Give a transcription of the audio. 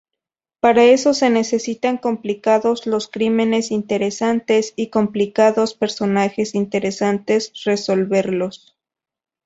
Para eso se necesitan complicados, los crímenes interesantes y complicados, personajes interesantes resolverlos.